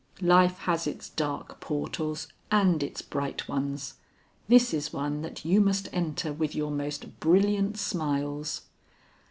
Life has its dark portals and its bright ones. This is one that you must enter with your most brilliant smiles."